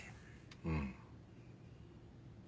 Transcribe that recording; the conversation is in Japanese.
うん。